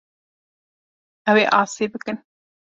Ew ê asê bikin.